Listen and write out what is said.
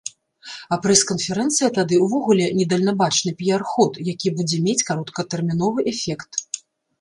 А прэс-канферэнцыя тады ўвогуле недальнабачны піяр-ход, якія будзе мець кароткатэрміновы эфект.